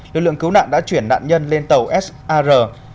lực lượng cứu nạn đã chuyển nạn nhân lên tàu sar bốn trăm một mươi hai